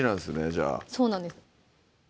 じゃあそうなんです